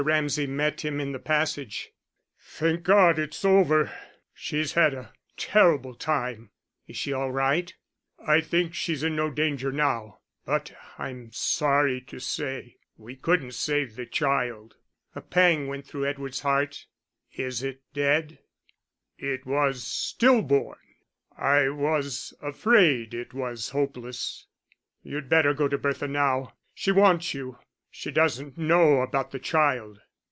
Ramsay met him in the passage. "Thank God, it's over. She's had a terrible time." "Is she all right?" "I think she's in no danger now but I'm sorry to say we couldn't save the child." A pang went through Edward's heart. "Is it dead?" "It was still born. I was afraid it was hopeless. You'd better go to Bertha now she wants you. She doesn't know about the child."